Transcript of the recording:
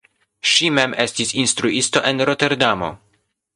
Ŝi mem estis instruisto en Roterdamo.